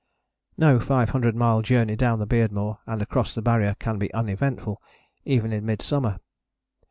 " No five hundred mile journey down the Beardmore and across the Barrier can be uneventful, even in midsummer.